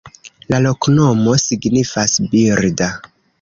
La loknomo signifas: birda.